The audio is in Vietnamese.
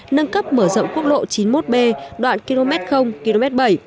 nâng cấp mở rộng quốc lộ chín mươi một b đoạn km km bảy